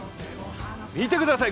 見てください！